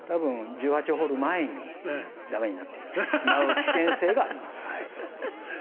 １８ホール前に駄目になってしまう危険性があります。